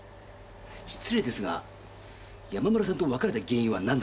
失礼ですが山村さんと別れた原因はなんだったんですか？